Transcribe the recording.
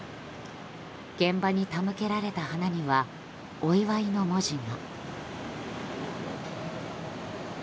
現場に手向けられた花にはお祝いの文字が。